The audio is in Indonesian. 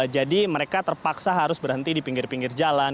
jadi mereka terpaksa harus berhenti di pinggir pinggir jalan